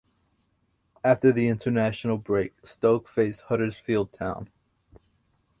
After the international break Stoke faced Huddersfield Town.